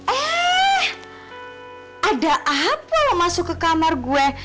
eh ada apa lo masuk ke kamar gue